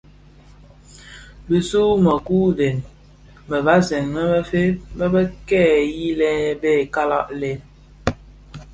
Bisu u mekuu deň më vasèn a bëfeeg bë kè dhiyilèn bè kalag lè,